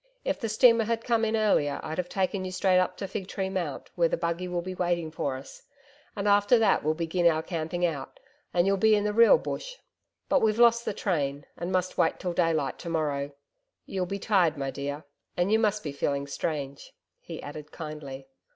If the steamer had come in earlier I'd have taken you straight up to Fig Tree Mount, where the buggy will be waiting for us; and after that we'll begin our camping out, and you'll be in the real Bush. But we've lost the train, and must wait till daylight to morrow. You'll be tired my dear and you must be feeling strange,' he added kindly.